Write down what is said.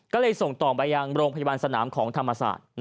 ก็เลยส่งต่อไปยังโรงพยาบาลสนามของธรรมศาสตร์